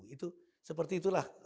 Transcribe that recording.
itu seperti itulah